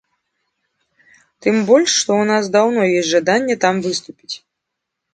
Тым больш што ў нас даўно ёсць жаданне там выступіць.